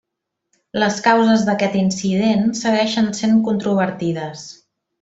Les causes d'aquest incident segueixen sent controvertides.